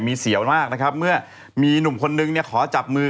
มีเสียวมากนะครับเมื่อมีหนุ่มคนนึงเนี่ยขอจับมือ